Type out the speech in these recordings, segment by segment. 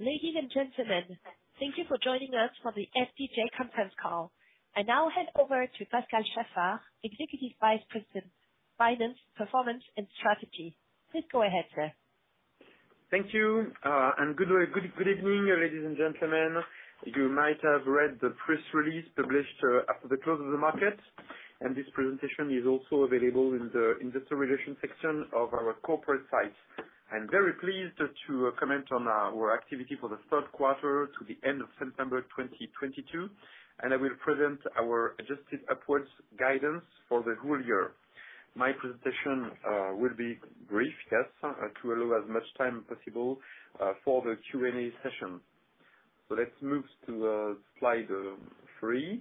Ladies and gentlemen, thank you for joining us for the FDJ United conference call. I now hand over to Pascal Chaffard, Executive Vice President, Finance, Performance and Strategy. Please go ahead, sir. Thank you and good evening, ladies and gentlemen. You might have read the press release published after the close of the market, and this presentation is also available in the investor relations section of our corporate site. I'm very pleased to comment on our activity for the Q3 to the end of September 2022, and I will present our adjusted upwards guidance for the whole year. My presentation will be brief, yes, to allow as much time possible for the Q&A session. Let's move to slide three.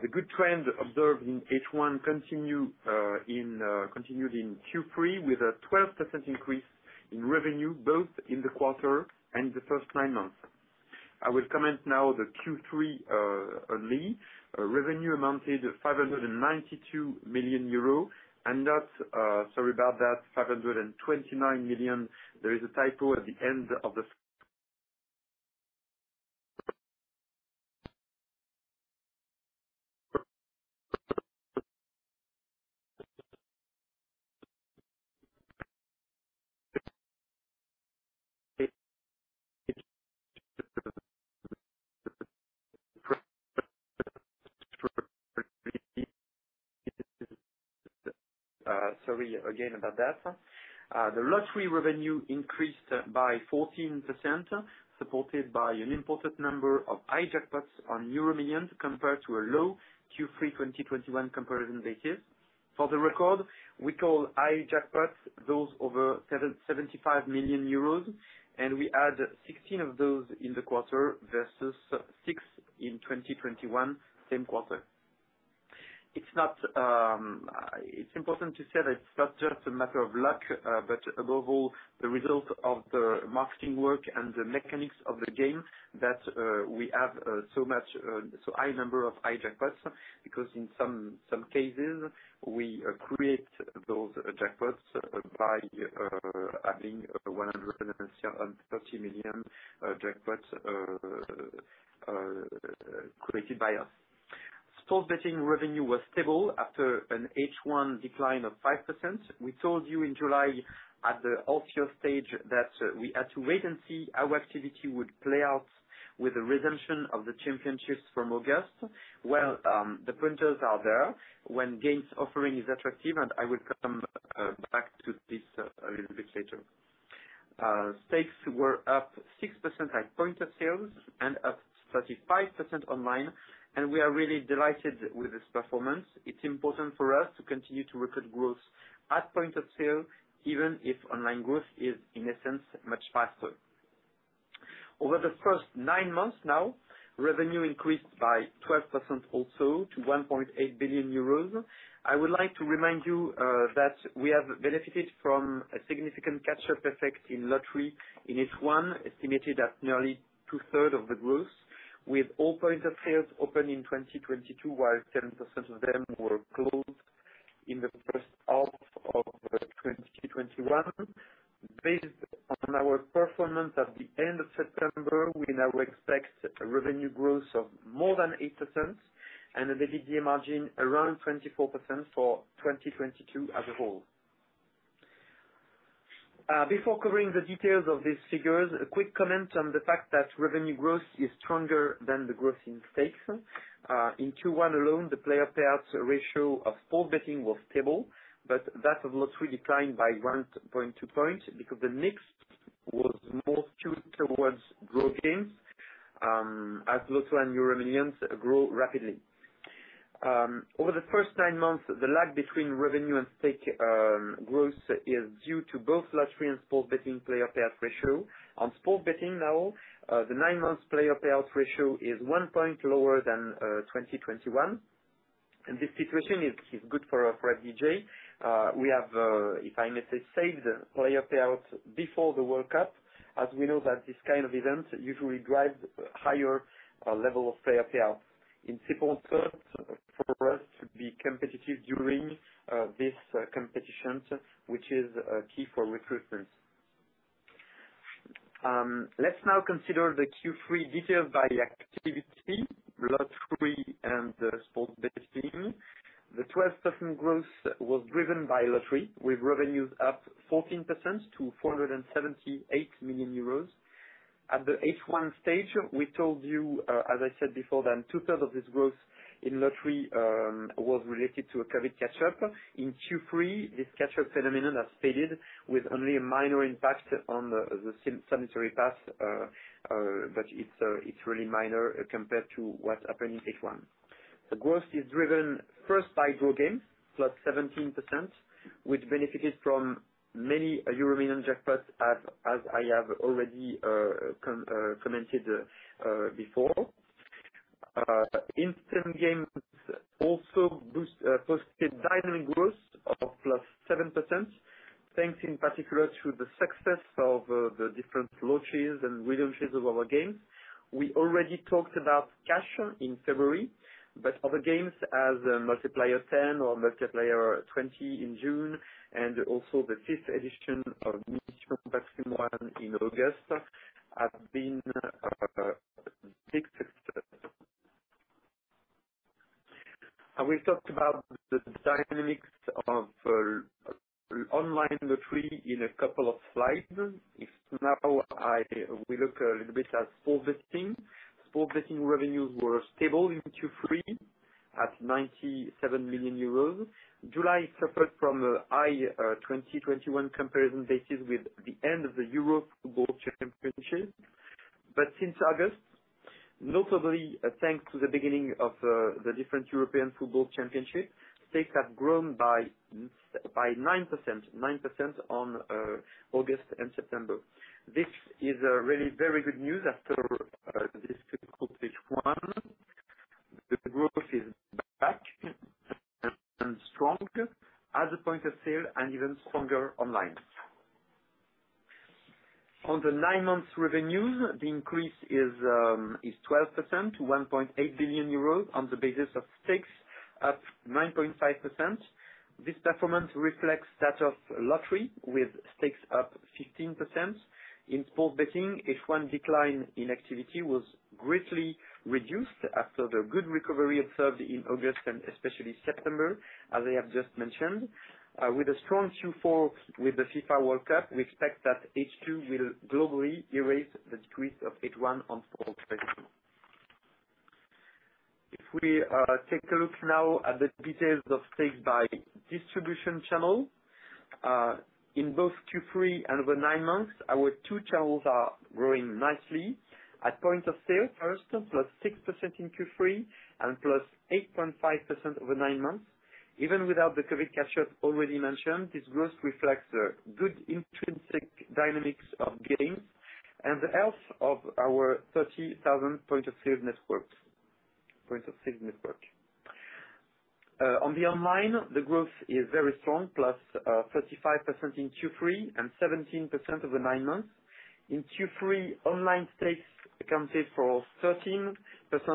The good trend observed in H1 continued in Q3 with a 12% increase in revenue both in the quarter and the first nine months. I will comment now on the Q3 only. Revenue amounted to 592 million euro and that's... Sorry about that, 529 million. There is a typo at the end. Sorry again about that. The lottery revenue increased by 14%, supported by an important number of high jackpots on EuroMillions compared to a low Q3 2021 comparison basis. For the record, we call high jackpots those over 775 million euros, and we had 16 of those in the quarter versus 6 in 2021, same quarter. It's not just a matter of luck, but above all, the result of the marketing work and the mechanics of the game that we have so high number of high jackpots, because in some cases, we create those jackpots by adding 130 million jackpot created by us. Sports betting revenue was stable after an H1 decline of 5%. We told you in July at the H1 results stage that we had to wait and see how activity would play out with the return of the championships from August, where the punters are there when games offering is attractive, and I will come back to this a little bit later. Stakes were up 6% at point of sales and up 35% online, and we are really delighted with this performance. It's important for us to continue to record growth at point of sale, even if online growth is, in essence, much faster. Over the first nine months now, revenue increased by 12% also to 1.8 billion euros. I would like to remind you that we have benefited from a significant catch-up effect in lottery in H1, estimated at nearly two-thirds of the growth, with all points of sale open in 2022, while 10% of them were closed in the first half of 2021. Based on our performance at the end of September, we now expect a revenue growth of more than 8% and an EBITDA margin around 24% for 2022 as a whole. Before covering the details of these figures, a quick comment on the fact that revenue growth is stronger than the growth in stakes. In Q1 alone, the player payout ratio of sports betting was stable, but that of lottery declined by 1.2 points because the mix was more tilted towards draw games, as Loto and EuroMillions grow rapidly. Over the first 9 months, the lag between revenue and stake growth is due to both lottery and sports betting player payout ratio. On sports betting now, the 9 months player payout ratio is 1 point lower than 2021. This situation is good for FDJ. We have, if I may say, saved player payouts before the World Cup, as we know that this kind of events usually drive higher level of player payout. In simple terms, for us to be competitive during this competition, which is key for recruitment. Let's now consider the Q3 detailed by activity, lottery and sports betting. The 12% growth was driven by lottery, with revenues up 14% to 478 million euros. At the H1 stage, we told you, as I said before, that two-thirds of this growth in lottery was related to a COVID catch-up. In Q3, this catch-up phenomenon has faded with only a minor impact on the sanitary pass, but it's really minor compared to what happened in H1. The growth is driven first by draw game, +17%, which benefited from many EuroMillions jackpots as I have already commented before. Instant games also boost posted dynamic growth of +7%, thanks in particular to the success of the different launches and re-editions of our games. We already talked about Cash in February, but other games as X10 or X20 in June, and also the fifth edition of Mission Patrimoine in August have been big success. We've talked about the dynamics of online lottery in a couple of slides. Now we look a little bit at sports betting. Sports betting revenues were stable in Q3 at 97 million euros. July suffered from a high 2021 comparison basis with the end of the UEFA European Championship. Since August, notably, thanks to the beginning of the different European football championship, stakes have grown by 9% on August and September. This is really very good news after this difficult H1. The growth is back and strong at the point of sale and even stronger online. On the nine months revenues, the increase is 12% to 1.8 billion euros on the basis of stakes up 9.5%. This performance reflects that of lottery with stakes up 15%. In sports betting, H1 decline in activity was greatly reduced after the good recovery observed in August and especially September, as I have just mentioned. With a strong Q4 with the FIFA World Cup, we expect that H2 will globally erase the decrease of H1 on sports betting. If we take a look now at the details of stakes by distribution channel, in both Q3 and over nine months, our two channels are growing nicely. At point of sale first, +6% in Q3 and +8.5% over nine months. Even without the COVID catch-up already mentioned, this growth reflects the good intrinsic dynamics of games and the health of our 30,000 point of sale network. On the online, the growth is very strong, plus 35% in Q3 and 17% over 9 months. In Q3, online stakes accounted for 13%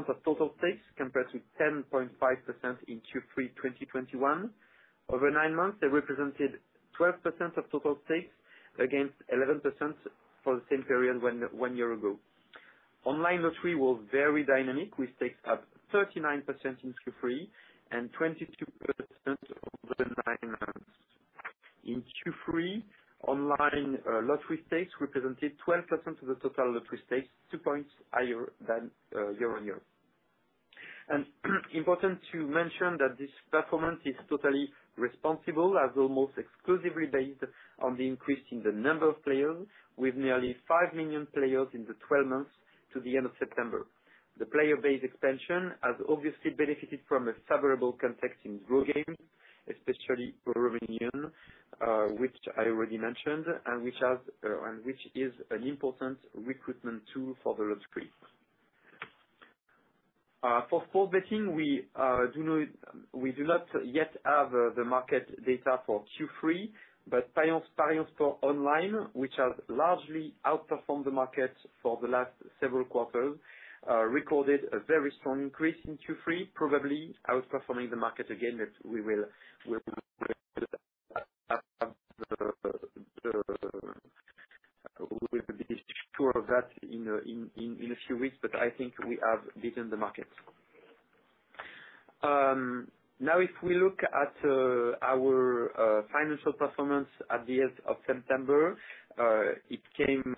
of total stakes, compared to 10.5% in Q3 2021. Over 9 months, they represented 12% of total stakes against 11% for the same period one year ago. Online lottery was very dynamic, with stakes up 39% in Q3 and 22% over 9 months. In Q3, online lottery stakes represented 12% of the total lottery stakes, 2 points higher than year-on-year. Important to mention that this performance is totally responsible as almost exclusively based on the increase in the number of players with nearly 5 million players in the 12 months to the end of September. The player base expansion has obviously benefited from a favorable context in draw games, especially for EuroMillions, which I already mentioned and which is an important recruitment tool for the lottery. For sports betting, we do not yet have the market data for Q3 but Parions Sport en Ligne, which has largely outperformed the market for the last several quarters, recorded a very strong increase in Q3, probably outperforming the market again. We will be sure of that in a few weeks, but I think we have beaten the market. Now if we look at our financial performance at the end of September, it came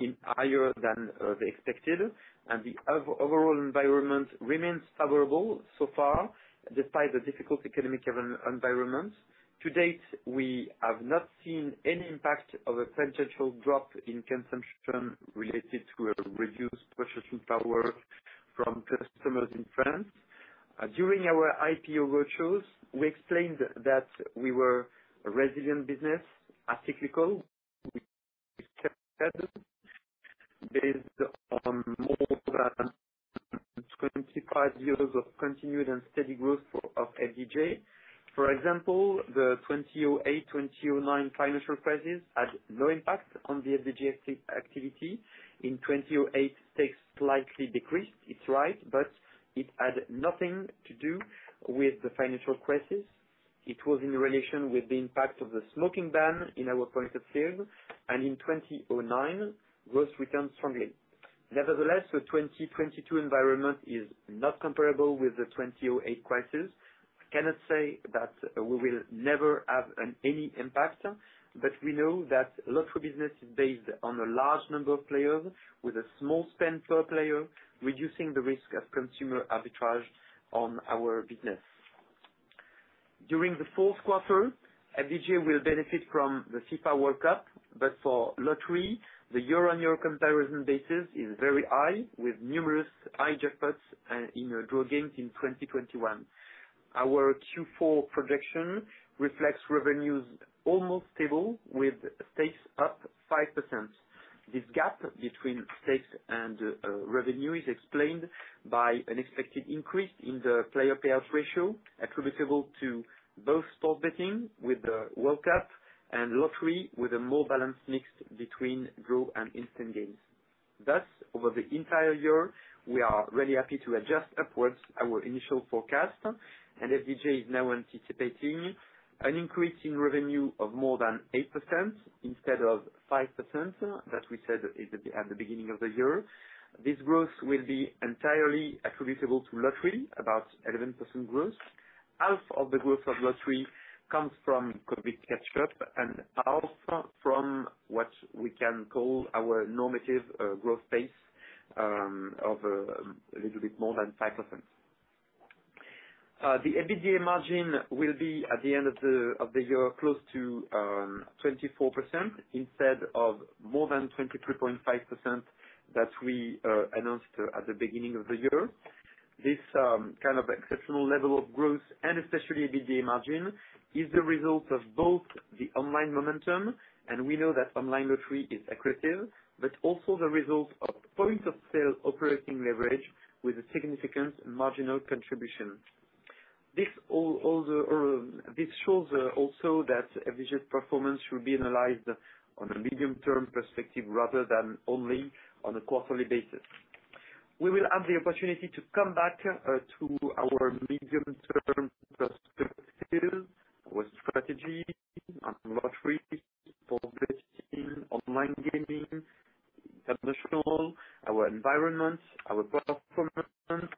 in higher than expected, and the overall environment remains favorable so far, despite the difficult economic environment. To date, we have not seen any impact of a potential drop in consumption related to a reduced purchasing power from customers in France. During our IPO roadshows, we explained that we were a resilient business, not a cyclical. Half of the growth of lottery comes from COVID catch up and half from what we can call our normative growth pace of a little bit more than 5%. The EBITDA margin will be at the end of the year close to 24% instead of more than 23.5% that we announced at the beginning of the year. This kind of exceptional level of growth, and especially EBITDA margin, is the result of both the online momentum, and we know that online lottery is aggressive, but also the result of point-of-sale operating leverage with a significant marginal contribution. This shows also that a FDJ performance should be analyzed on a medium-term perspective rather than only on a quarterly basis. We will have the opportunity to come back to our medium-term perspective, our strategy on lottery, sports betting, online gaming, international, our environment, our performance,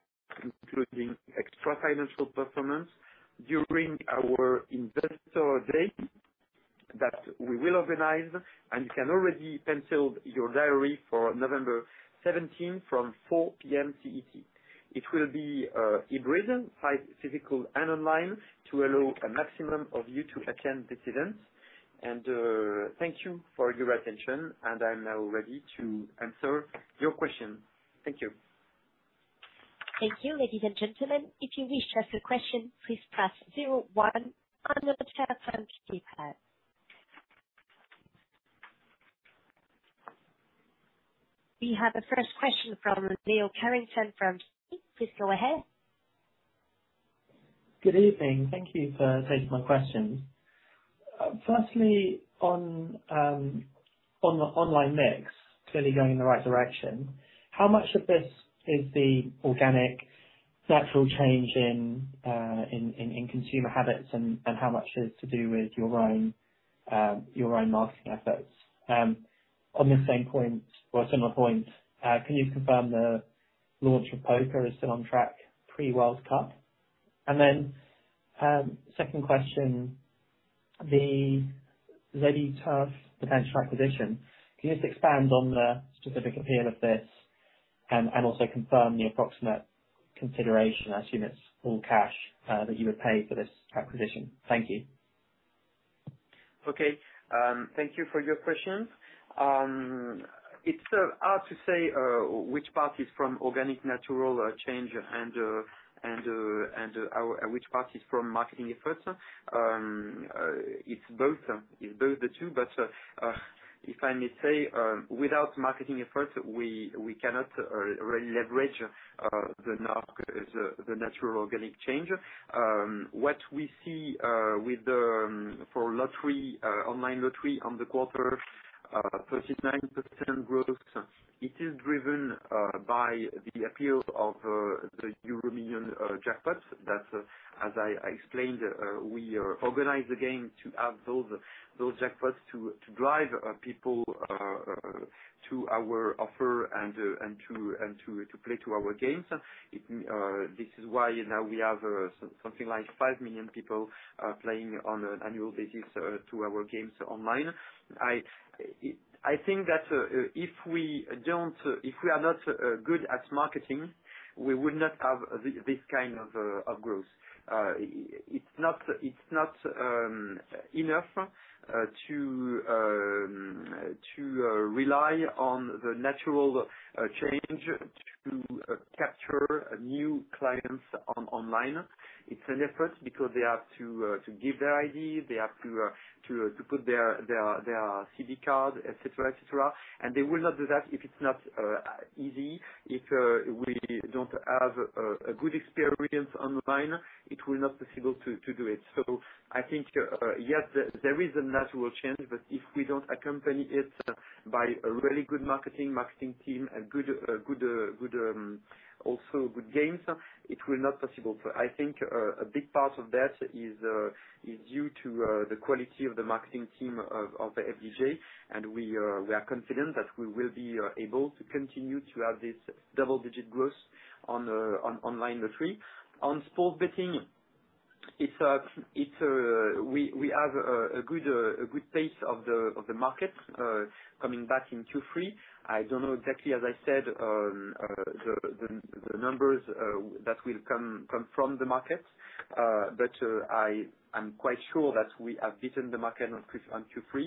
including extrafinancial performance during our investor day that we will organize. You can already pencil your diary for November seventeenth from 4 P.M. CET. It will be in person, physical and online, to allow a maximum of you to attend this event. Thank you for your attention, and I'm now ready to answer your question. Thank you. Thank you, ladies and gentlemen. If you wish to ask a question, please press zero one on the participant keypad. We have the first question from [Nils Andén from JP.] Please go ahead. Good evening. Thank you for taking my question. Firstly, on the online mix, clearly going in the right direction, how much of this is the organic natural change in consumer habits, and how much is to do with your own marketing efforts? On the same point or similar point, can you confirm the launch of poker is still on track pre-World Cup? Then, second question, the ZEturf potential acquisition. Can you just expand on the specific appeal of this and also confirm the approximate consideration? I assume it's all cash that you would pay for this acquisition. Thank you. Okay. Thank you for your question. It's hard to say which part is from organic natural change and which part is from marketing efforts. It's both, but if I may say, without marketing efforts, we cannot really leverage the natural organic change. What we see for lottery, online lottery on the quarter, 39% growth, it is driven by the appeal of the EuroMillions jackpots that, as I explained, we organized the game to have those jackpots to drive people to our offer and to play our games. This is why now we have something like 5 million people playing on an annual basis to our games online. I think that if we are not good at marketing, we would not have this kind of growth. It's not enough to rely on the natural change to capture new clients on online. It's an effort because they have to give their ID, they have to put their CB card, et cetera. They will not do that if it's not easy. If we don't have a good experience online, it will not possible to do it. I think, yes, there is a natural change, but if we don't accompany it by a really good marketing team, a good also good games, it will not possible. I think, a big part of that is due to the quality of the marketing team of the FDJ, and we are confident that we will be able to continue to have this double-digit growth on online lottery. On sports betting, it's we have a good pace of the market coming back in Q3. I don't know exactly, as I said, the numbers that will come from the market, but I am quite sure that we have beaten the market on Q3.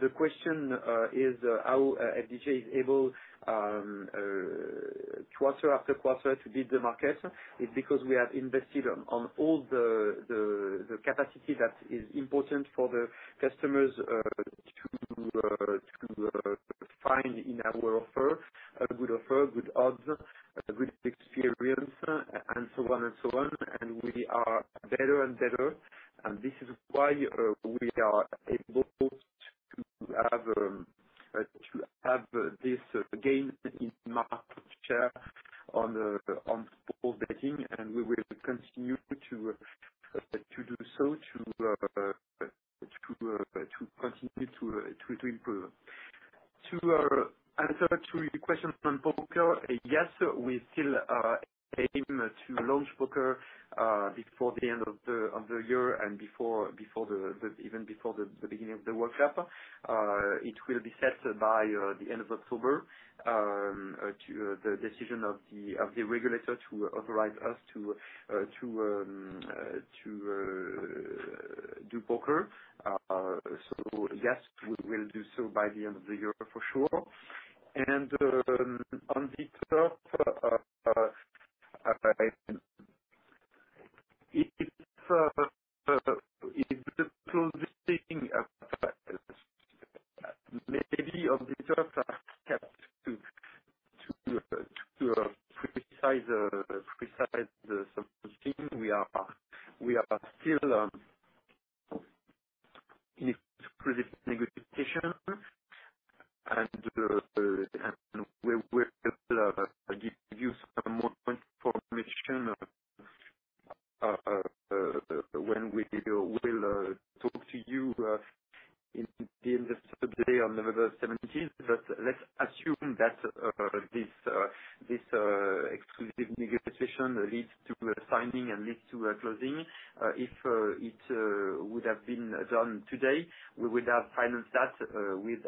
The question is how FDJ is able quarter after quarter to beat the market. It's because we have invested on all the capacity that is important for the customers to find in our offer a good offer, good odds, a good experience, and so on and so on. We are better and better, and this is why we are able to have this gain in market share on the sports betting, and we will continue to improve. To answer your question on poker. Yes, we still aim to launch poker before the end of the year and before even before the beginning of the World Cup. It will be set by the end of October to the decision of the regulator to authorize us to do poker. Yes, we will do so by the end of the year for sure. On ZEturf, it's a little bit sticky. Maybe of ZEturf are kept to precisely the same thing. We are still in exclusive negotiation and we're still give you some more information when we will talk to you at the end of the day on November seventeenth. Let's assume that this exclusive negotiation leads to finding and leads to a closing. If it would have been done today, we would have financed that with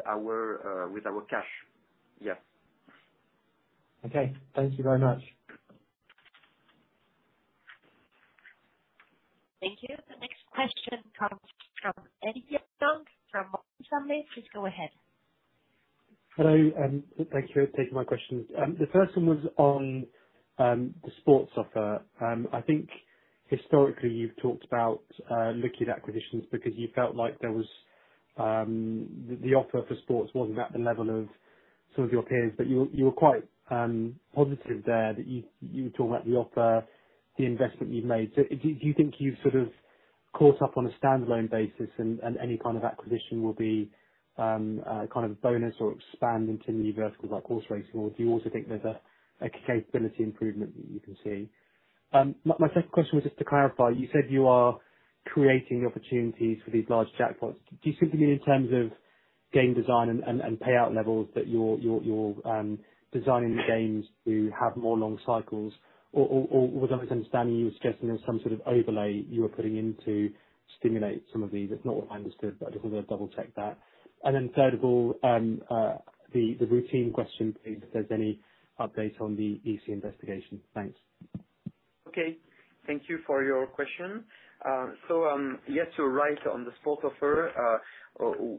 our cash. Yes. Okay. Thank you very much. Thank you. The next question comes from Edward Young from Morgan Stanley. Please go ahead. Hello, thank you for taking my questions. The first one was on the sports offer. I think historically you've talked about liquid acquisitions because you felt like the offer for sports wasn't at the level of some of your peers. You were quite positive there that you were talking about the offer, the investment you've made. Do you think you've sort of caught up on a stand-alone basis and any kind of acquisition will be a kind of bonus or expand into new verticals like horse racing? Or do you also think there's a capability improvement that you can see? My second question was just to clarify. You said you are creating opportunities for these large jackpots. Do you simply mean in terms of game design and payout levels that you're designing the games to have more long cycles? Or was I misunderstanding, you were suggesting there was some sort of overlay you were putting in to stimulate some of these? It's not what I understood, but I just want to double check that. Then third of all, the routine question, please, if there's any update on the EC investigation. Thanks. Okay, thank you for your question. Yes, you're right on the sports offer.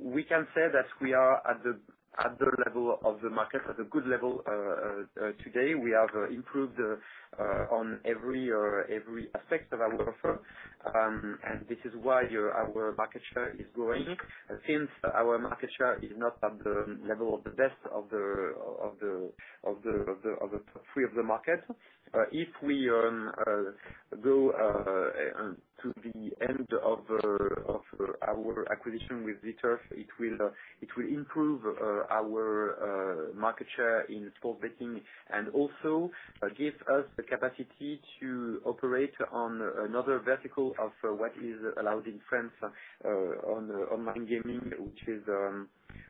We can say that we are at the level of the market, at a good level today. We have improved on every aspect of our offer. This is why our market share is growing. Our market share is not at the level of the best of the three of the market. If we go to the end of our acquisition with ZEturf, it will improve our market share in sports betting, and also give us the capacity to operate on another vertical of what is allowed in France on online gaming,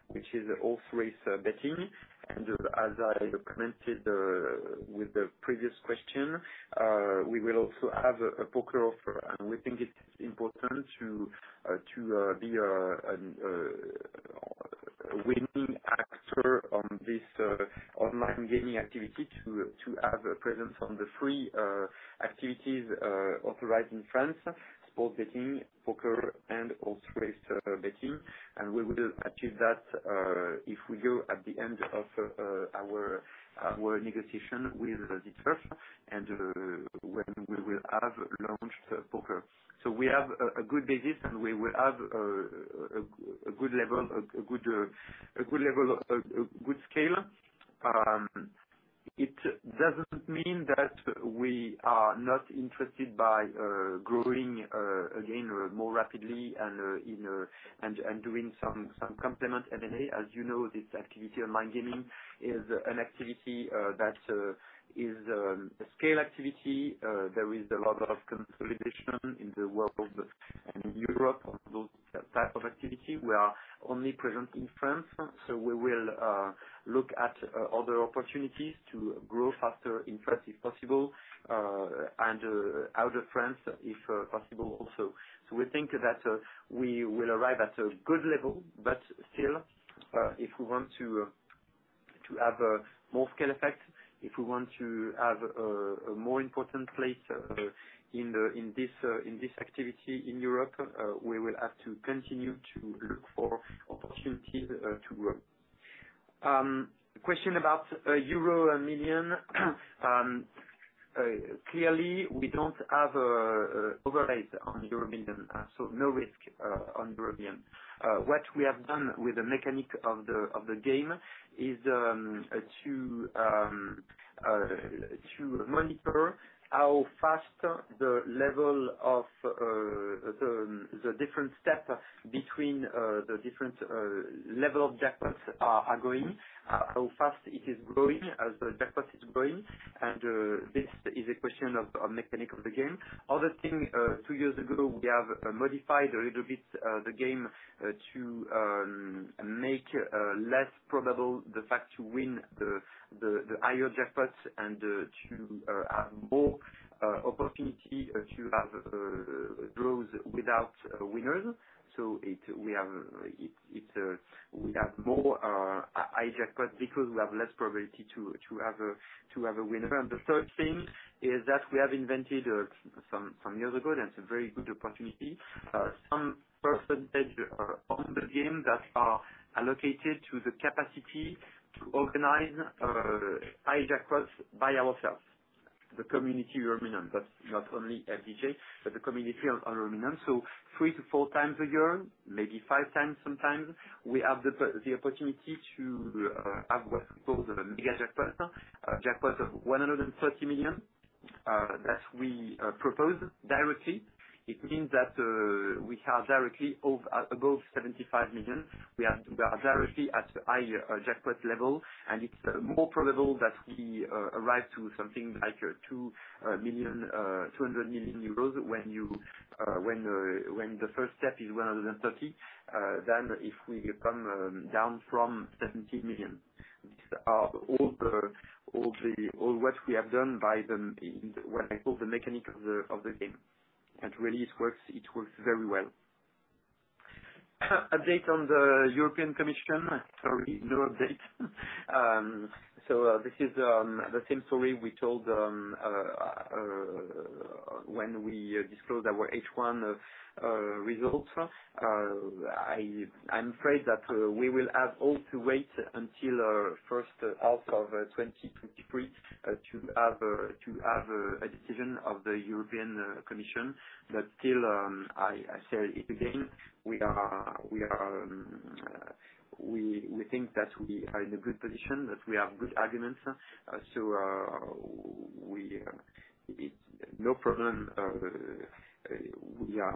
which is horse race betting. As I commented with the previous question, we will also have a poker offer. We think it's important to be a winning actor on this online gaming activity to have a presence on the three activities authorized in France. Sports betting, poker and horse race betting. We will achieve that if we go at the end of our negotiation with ZEturf and when we will have launched poker. We have a good basis, and we will have a good level, a good scale. It doesn't mean that we are not interested in growing again more rapidly and doing some complement. As you know, this activity, online gaming, is an activity that is a scale activity. There is a lot of consolidation in the world and in Europe of those type of activity. We are only present in France, so we will look at other opportunities to grow faster in France, if possible, and out of France, if possible also. We think that we will arrive at a good level, but still, if we want to have more scale effect. If we want to have a more important place in this activity in Europe, we will have to continue to look for opportunities to grow. The question about EuroMillions. Clearly we don't have overlays on EuroMillions, so no risk on EuroMillions. What we have done with the mechanics of the game is to monitor how fast the level of the different steps between the different level of jackpots are going. How fast it is growing as the jackpot is growing. This is a question of mechanics of the game. Other thing, two years ago, we have modified a little bit the game to make less probable the fact to win the higher jackpots and to have more opportunity to have draws without winners. We have more high jackpot because we have less probability to have a winner. The third thing is that we have invented some years ago, that's a very good opportunity, some percentage are on the game that are allocated to the capacity to organize high jackpots by ourselves. The community of EuroMillions, that's not only FDJ, but the community of Romania. 3-4 times a year, maybe 5 times sometimes, we have the opportunity to have what's called a mega jackpot. Jackpot of 130 million that we propose directly. It means that we have directly over 75 million. We are directly at high jackpot level, and it's more probable that we arrive to something like 200 million euros when the first step is 130 million than if we come down from 70 million. These are all what we have done. What I call the mechanic of the game. Really, it works very well. Update on the European Commission. Sorry, no update. This is the same story we told when we disclosed our H1 results. I'm afraid that we will all have to wait until first half of 2023 to have a decision of the European Commission. Still, I say it again, we think that we are in a good position, that we have good arguments. It's no problem. We are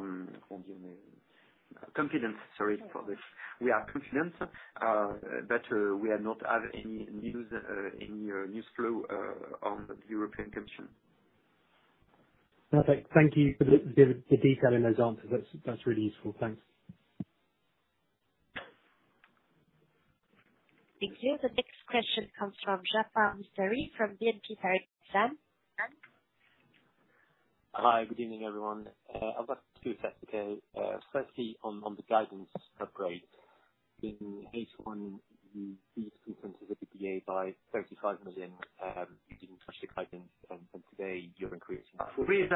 confident. Sorry for this. We are confident, but we do not have any news flow on the European Commission. Perfect. Thank you for the detail in those answers. That's really useful. Thanks. Thank you. The next question comes from c. Hi, good evening, everyone. I've got two questions to go. Firstly, on the guidance upgrade. In H1, you increased consensus EBITDA by 35 million. You didn't touch the guidance, and today you're increasing. Sorry.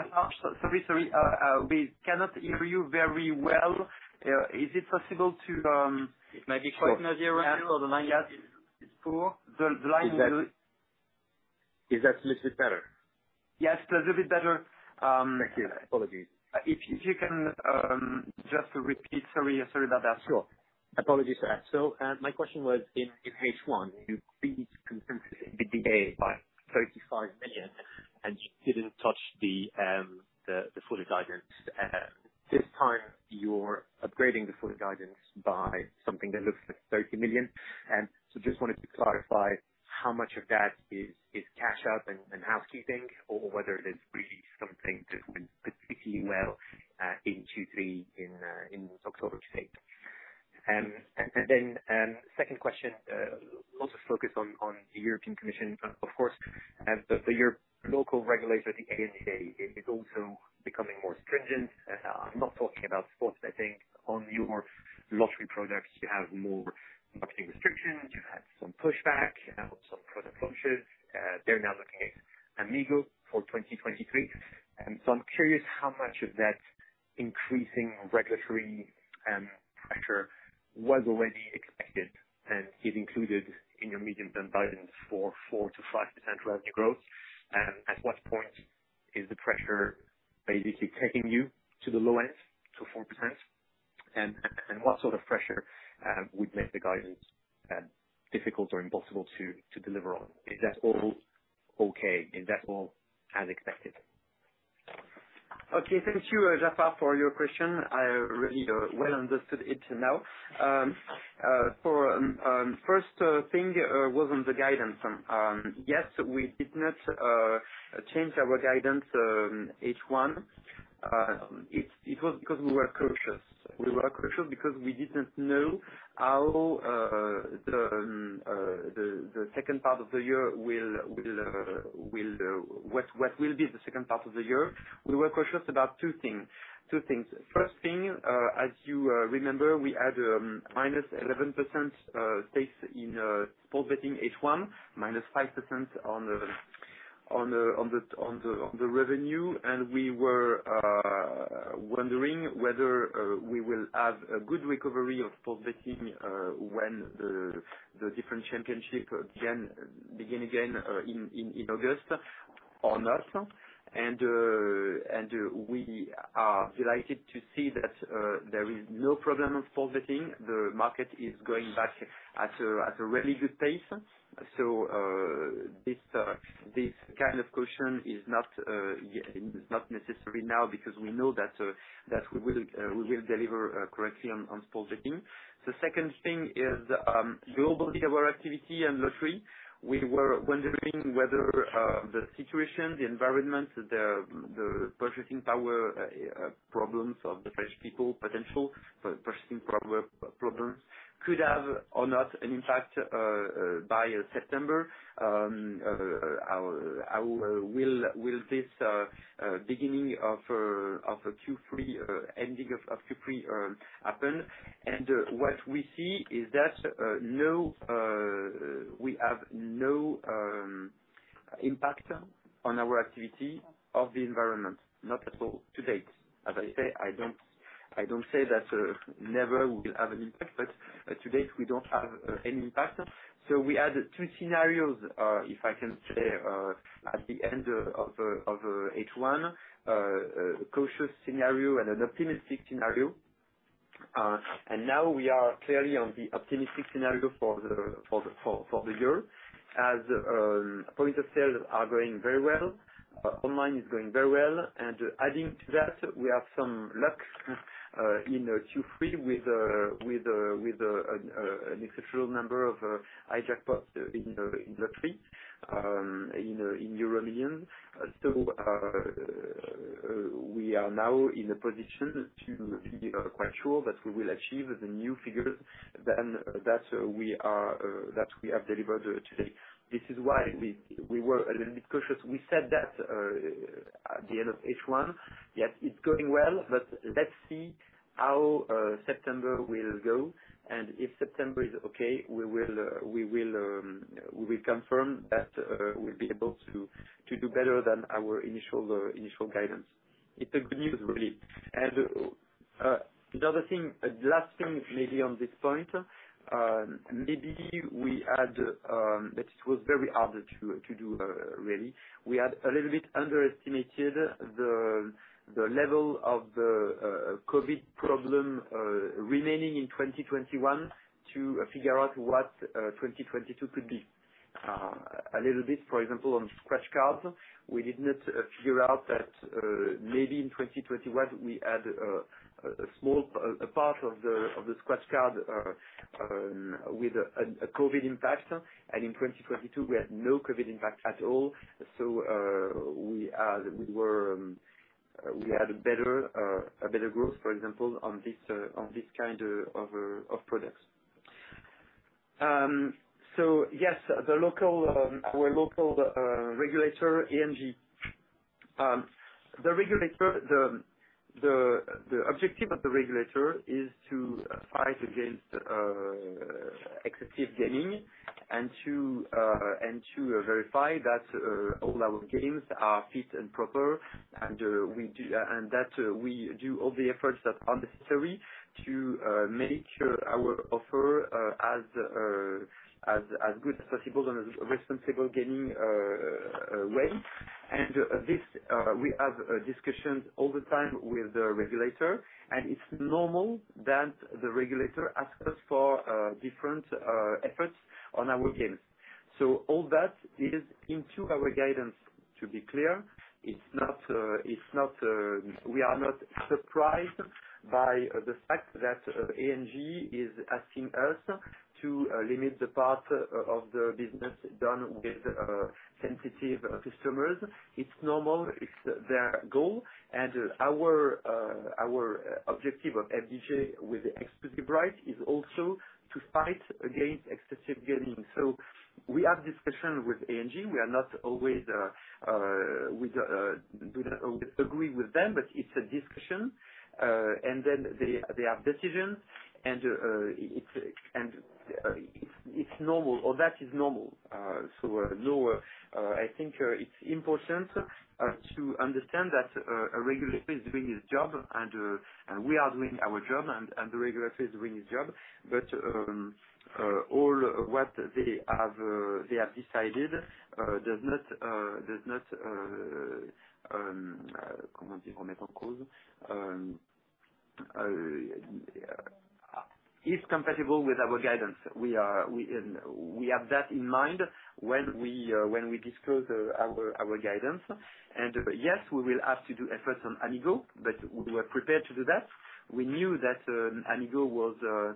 We cannot hear you very well. Is it possible to? It might be quite noisy around here or the line is poor. The line- Is that a little bit better? Yes, that's a bit better. Thank you. Apologies. If you can just repeat. Sorry about that. Sure. Apologies for that. My question was in H1, you increased consensus EBITDA by 35 million, and you didn't touch the full year guidance. This time you're upgrading the full year guidance by something that looks like 30 million. Just wanted to clarify how much of that is cash out and housekeeping, or whether it is really something that's been particularly well in Q3 in October to date. Second question, also focus on the European Commission, of course. The local regulator, the ANJ, it is also becoming more stringent. I'm not talking about sports betting. On your lottery products, you have more marketing restrictions. You've had some pushback. You have some product launches. They're now looking at Amigo for 2023. I'm curious how much of that increasing regulatory pressure was already expected and is included in your medium-term guidance for 4%-5% revenue growth. At what point is the pressure basically taking you to the low end, to 4%? What sort of pressure would make the guidance difficult or impossible to deliver on? Is that all okay? Is that all as expected? Okay. Thank you, Jaafar, for your question. I really well understood it now. First thing was on the guidance. Yes, we did not change our guidance, H1. It was because we were cautious. We were cautious because we didn't know how the second part of the year will. What will be the second part of the year. We were cautious about two things. First thing, as you remember, we had -11% stakes in sports betting H1, -5% on the revenue. We were wondering whether we will have a good recovery of sports betting when the different championships begin again in August or not. We are delighted to see that there is no problem of sports betting. The market is going back at a really good pace. This kind of caution is not necessary now because we know that we will deliver correctly on sports betting. The second thing is, globally, our activity in lottery. We were wondering whether the situation, the environment, the purchasing power problems of the French people, potential purchasing problems could have or not an impact by September. How will this beginning of Q3 ending of Q3 happen? We have no impact on our activity of the environment, not at all to date. As I say, I don't say that never we will have an impact, but to date, we don't have any impact. We had two scenarios, if I can say, at the end of H1. A cautious scenario and an optimistic scenario. Now we are clearly on the optimistic scenario for the year, as points of sale are going very well. Online is going very well. Adding to that, we have some luck in Q3 with an exceptional number of high jackpots in EuroMillions. We are now in a position to be quite sure that we will achieve the new figures than those that we have delivered today. This is why we were a little bit cautious. We said that at the end of H1, yes, it's going well, but let's see how September will go. If September is okay, we will confirm that we'll be able to do better than our initial guidance. It's a good news, really. The other thing, the last thing maybe on this point, but it was very hard to do, really. We had a little bit underestimated the level of the COVID problem remaining in 2021 to figure out what 2022 could be. A little bit, for example, on scratch cards, we did not figure out that, maybe in 2021 we had a small part of the scratch card with a COVID impact. In 2022, we had no COVID impact at all. We had a better growth, for example, on this kind of products. Yes, our local regulator, ANJ. The regulator... The objective of the regulator is to fight against excessive gaming and to verify that all our games are fit and proper, and that we do all the efforts that are necessary to make our offer as good as possible in a responsible gaming way. This we have discussions all the time with the regulator, and it's normal that the regulator asks us for different efforts on our games. All that is into our guidance, to be clear. We are not surprised by the fact that ANJ is asking us to limit the part of the business done with sensitive customers. It's normal. It's their goal. Our objective of FDJ with the exclusive right is also to fight against excessive gaming. We have discussion with ANJ. We don't always agree with them, but it's a discussion. They have decisions, and it's normal or that is normal. No. I think it's important to understand that a regulator is doing his job and we are doing our job, and the regulator is doing his job. All that they have decided is not compatible with our guidance. We have that in mind when we disclose our guidance. Yes, we will have to do efforts on Amigo, but we were prepared to do that. We knew that Amigo was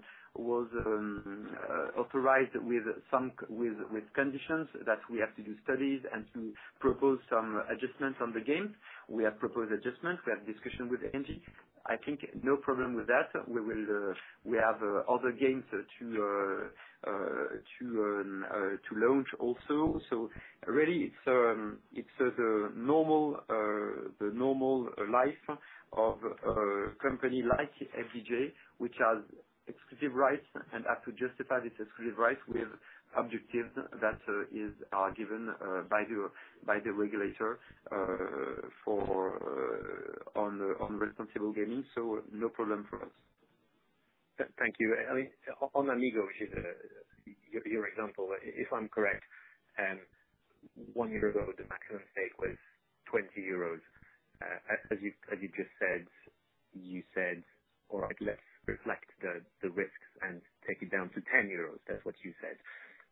authorized with some conditions that we have to do studies and to propose some adjustments on the game. We have proposed adjustments. We have discussion with ANJ. I think no problem with that. We have other games to launch also. Really it's the normal life of a company like FDJ, which has exclusive rights and has to justify this exclusive right with objectives that are given by the regulator on responsible gaming. No problem for us. Thank you. I mean, on Amigo, which is your example. If I'm correct, one year ago, the maximum stake was 20 euros. As you just said, you said, "All right, let's reflect the risks and take it down to 10 euros." That's what you said.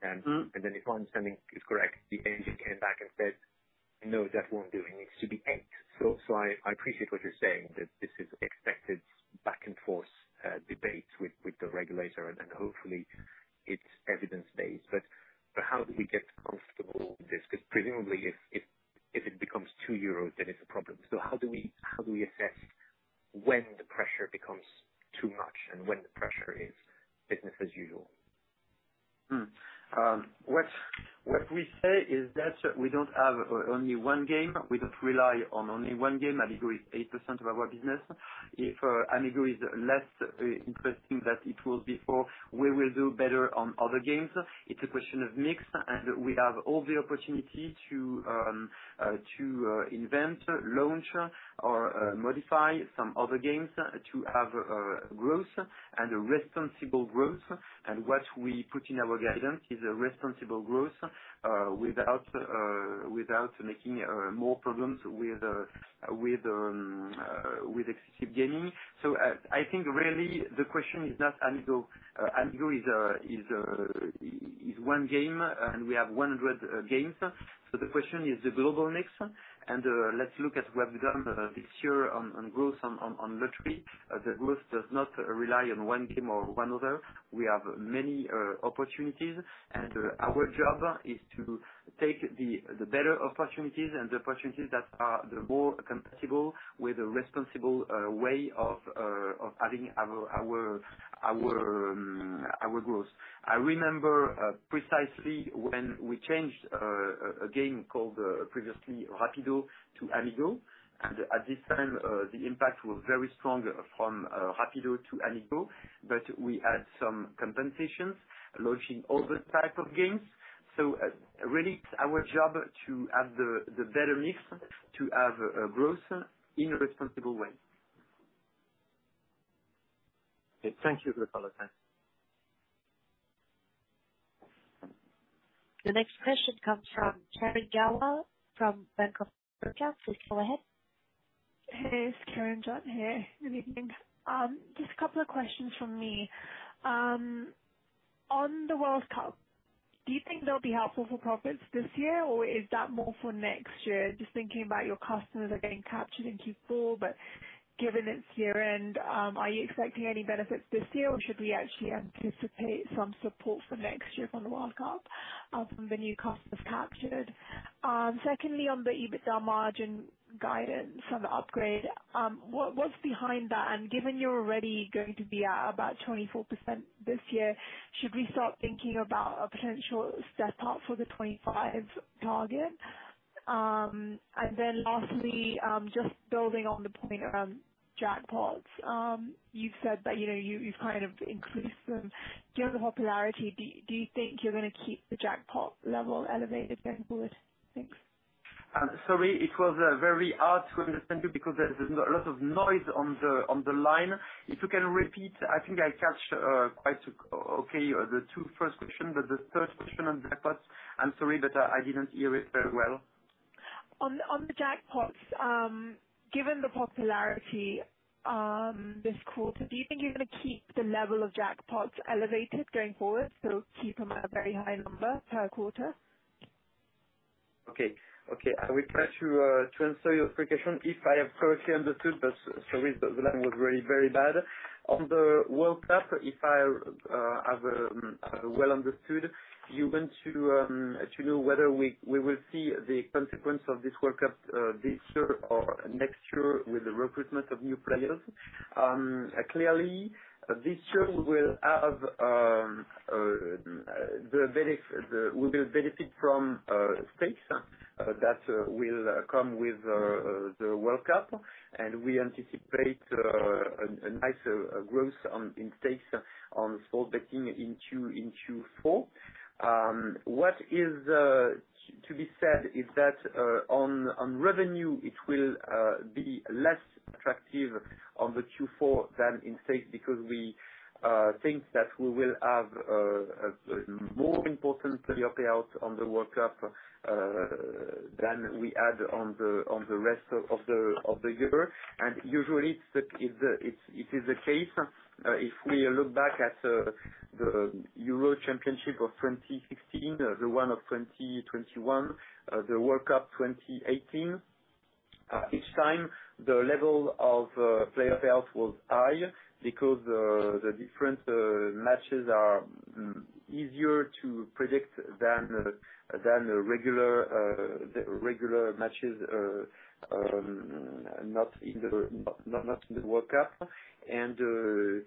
Mm-hmm. If my understanding is correct, the ANJ came back and said, "No, that won't do. It needs to be 8." I appreciate what you're saying, that this is expected back and forth, debates with the regulator, and hopefully it's evidence-based. How do we get comfortable with this? 'Cause presumably if it becomes 2 euros, then it's a problem. How do we assess when the pressure becomes too much and when the pressure is business as usual? What we say is that we don't have only one game. We don't rely on only one game. Amigo is 8% of our business. If Amigo is less interesting than it was before, we will do better on other games. It's a question of mix, and we have all the opportunity to invent, launch, or modify some other games to have growth and a responsible growth. What we put in our guidance is a responsible growth, without making more problems with excessive gaming. I think really the question is not Amigo. Amigo is one game, and we have 100 games. The question is the global mix, and let's look at what we've done this year on growth on lottery. The growth does not rely on one game or one other. We have many opportunities, and our job is to take the better opportunities and the opportunities that are the more compatible with a responsible way of having our growth. I remember precisely when we changed a game called previously Rapido to Amigo, and at this time the impact was very strong from Rapido to Amigo. But we had some compensations launching other type of games. Really, it's our job to have the better mix to have a growth in a responsible way. Okay. Thank you, Nicolas. The next question comes from Karen Sherr from Bank of America. Please go ahead. Hey, it's Karen Sherr here. Good evening. Just a couple of questions from me. On the World Cup, do you think they'll be helpful for profits this year, or is that more for next year? Just thinking about your customers are getting captured in Q4. But given it's year-end, are you expecting any benefits this year, or should we actually anticipate some support for next year from the World Cup, from the new customers captured? Secondly, on the EBITDA margin guidance on the upgrade, what's behind that? And given you're already going to be at about 24% this year, should we start thinking about a potential step up for the 2025 target? And then lastly, just building on the point around jackpots, you've said that you've kind of increased them. Given the popularity, do you think you're gonna keep the jackpot level elevated going forward? Thanks. Sorry, it was very hard to understand you because there's a lot of noise on the line. If you can repeat, I think I catch quite okay the two first question, but the third question on jackpots, I'm sorry, but I didn't hear it very well. On the jackpots, given the popularity this quarter, do you think you're gonna keep the level of jackpots elevated going forward, so keep them at a very high number per quarter? Okay. I will try to transfer your question if I have correctly understood. Sorry, the line was really very bad. On the World Cup, if I have well understood, you want to know whether we will see the consequence of this World Cup this year or next year with the recruitment of new players. Clearly, this year we will benefit from stakes that will come with the World Cup, and we anticipate a nice growth in stakes on sports betting in Q4. What is to be said is that on revenue, it will be less attractive on the Q4 than in stakes because we think that we will have a more important player payout on the World Cup than we had on the rest of the year. Usually, it is the case. If we look back at the Euro Championship of 2016, the one of 2021, the World Cup 2018, each time the level of player payout was high because the different matches are easier to predict than the regular matches, not in the World Cup. It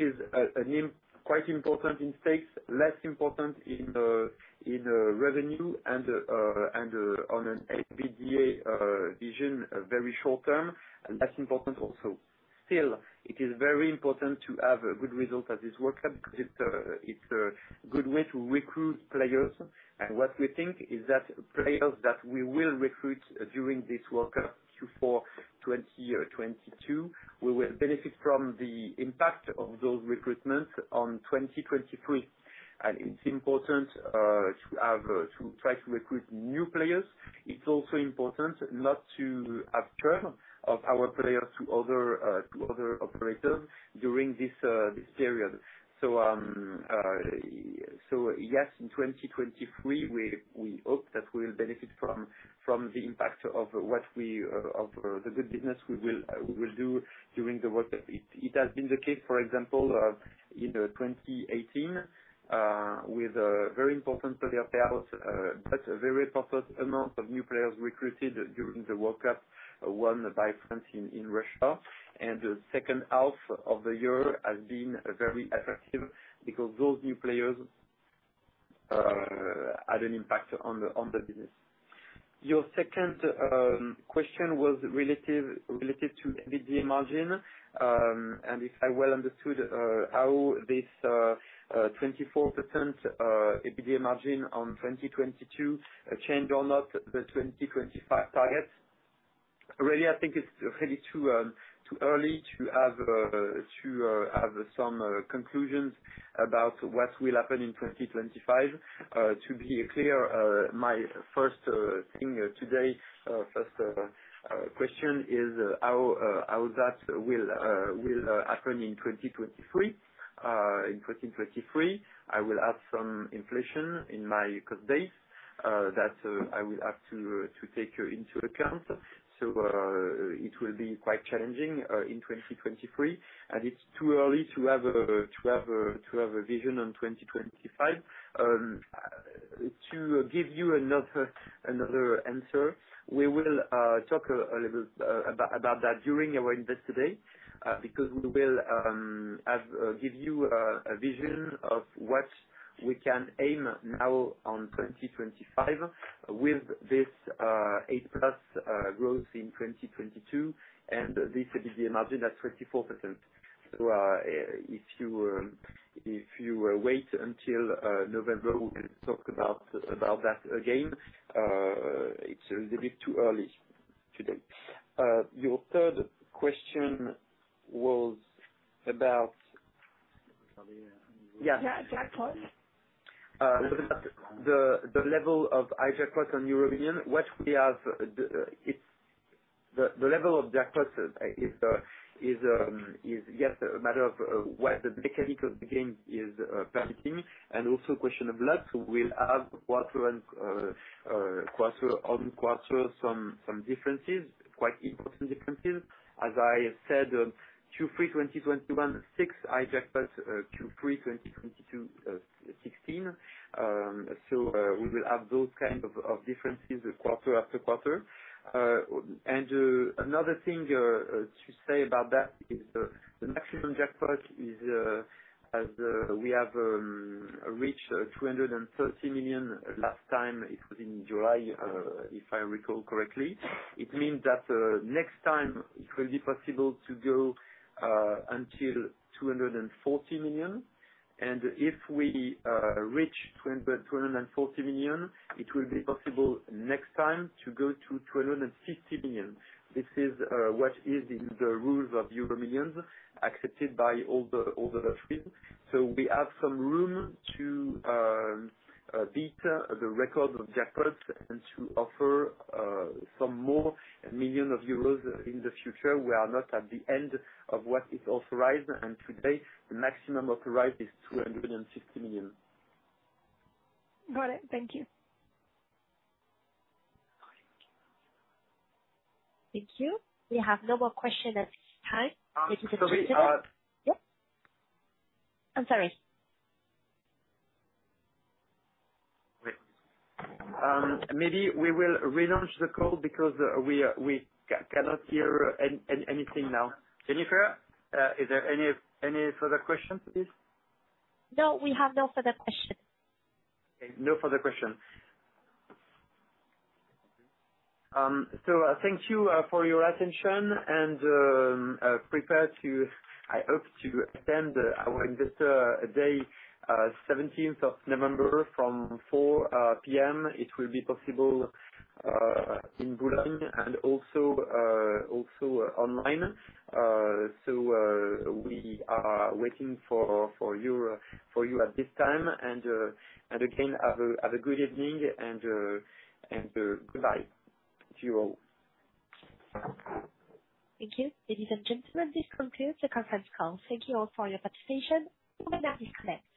is quite important in stakes, less important in revenue and on an EBITDA basis, very short term, and less important also. It is very important to have a good result at this World Cup because it's a good way to recruit players. What we think is that players that we will recruit during this World Cup Q4 2022, we will benefit from the impact of those recruitments on 2023. It's important to try to recruit new players. It's also important not to have churn of our players to other operators during this period. Yes, in 2023, we hope that we'll benefit from the impact of the good business we will do during the World Cup. It has been the case, for example, in 2018, with a very important player payout, but a very important amount of new players recruited during the World Cup won by France in Russia. The second half of the year has been very attractive because those new players had an impact on the business. Your second question was relative to EBITDA margin. If I well understood, how this 24% EBITDA margin on 2022 change or not the 2025 target. Really, I think it's really too early to have some conclusions about what will happen in 2025. To be clear, my first thing today, first question is how that will happen in 2023. In 2023, I will have some inflation in my cost base that I will have to take into account. It will be quite challenging in 2023, and it's too early to have a vision on 2025. To give you another answer, we will talk a little about that during our investor day, because we will give you a vision of what we can aim now on 2025 with this 8+ growth in 2022, and this EBITDA margin at 24%. If you wait until November, we will talk about that again. It's a little bit too early today. Your third question was about- Jackpot. Yeah. Yeah, jackpot. The level of the jackpot on EuroMillions, what we have, is just a matter of what the mechanics of the game is permitting. Also a question of luck. We'll have quarter-over-quarter some differences, quite important differences. As I said, Q3 2021, six jackpots, Q3 2022, 16. We will have those kind of differences quarter after quarter. Another thing to say about that is the maximum jackpot is, as we have reached, 230 million. Last time it was in July, if I recall correctly. It means that next time it will be possible to go until 240 million. If we reach 2,240 million, it will be possible next time to go to 250 million. This is what is in the rules of EuroMillions accepted by all the lotteries. We have some room to beat the record of jackpot and to offer some more million of euros in the future. We are not at the end of what is authorized. Today, the maximum authorized is 250 million. Got it. Thank you. Thank you. We have no more questions at this time. Sorry. Yeah. I'm sorry. Maybe we will relaunch the call because we cannot hear anything now. Jennifer, is there any further questions, please? No, we have no further questions. Okay. No further questions. Thank you for your attention and I hope to attend our investor day seventeenth of November from 4 P.M. It will be possible in Boulogne and also online. We are waiting for you at this time. Again, have a good evening and goodbye to you all. Thank you. Ladies and gentlemen, this concludes the conference call. Thank you all for your participation. You may now disconnect.